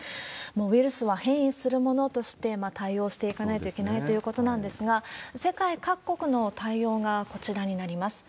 もうウイルスは変異するものとして、対応していかないといけないということなんですが、世界各国の対応がこちらになります。